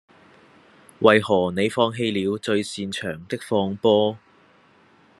為何你放棄了最擅長的放波